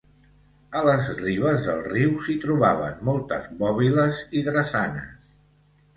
A les ribes del riu s'hi trobaven moltes bòbiles i drassanes.